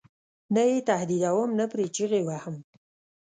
نه یې تهدیدوم نه پرې چغې وهم.